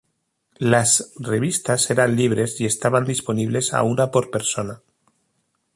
Las revistas eran libres y estaban disponibles a una por persona.